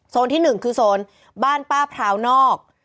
โซนที่หนึ่งคือโซนบ้านป้าพราวนอก